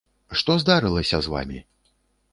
Што здарылася з вамі?